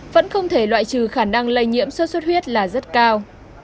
vẫn không thể loại trừ khả năng lây nhiễm sốt xuất huyết là rất cao